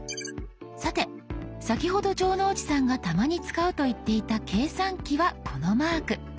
さて先ほど城之内さんがたまに使うと言っていた計算機はこのマーク。